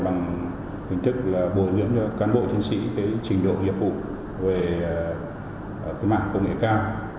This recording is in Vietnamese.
bằng hình thức là bồi lưỡng cho cán bộ thiên sĩ cái trình độ hiệp vụ về cái mạng công nghệ cao